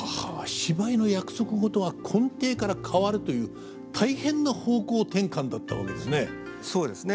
芝居の約束事が根底から変わるという大変な方向転換だったわけですね。